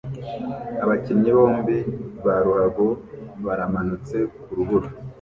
Abakinnyi bombi ba ruhago baramanutse ku rubura